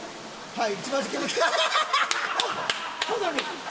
はい。